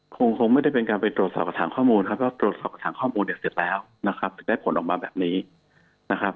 คงไม่ได้เป็นการไปตรวจสอบกระทางข้อมูลครับว่าตรวจสอบกระทางข้อมูลเดี๋ยวเสียแล้วนะครับจะได้ผลออกมาแบบนี้นะครับ